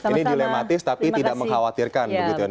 ini dilematis tapi tidak mengkhawatirkan